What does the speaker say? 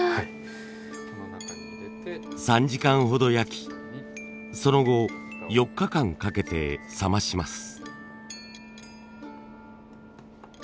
３時間ほど焼きその後４日間かけて冷まします。